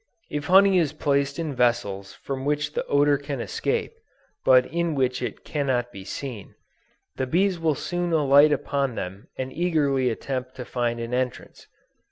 If honey is placed in vessels from which the odor can escape, but in which it cannot be seen, the bees will soon alight upon them and eagerly attempt to find an entrance.